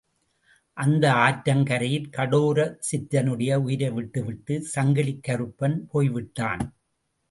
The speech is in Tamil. அந்த ஆற்றங்கரையிற் கடோரசித்தனுடைய உயிரை விட்டு விட்டுச் சங்கிலிக் கறுப்பன் போய் விட்டான்.